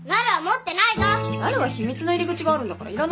なるは秘密の入り口があるんだからいらないでしょ？